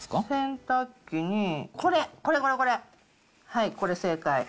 洗濯機に、これ、これこれ、これ、正解。